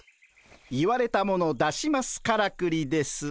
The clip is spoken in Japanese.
「言われたもの出しますからくり」です。